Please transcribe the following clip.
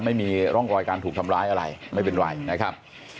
ไม่มีร่องรอยการถูกทำร้ายอะไรไม่เป็นไรนะครับ